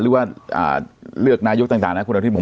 หรือว่าเลือกนายกต่างนะคุณอาทิตยผม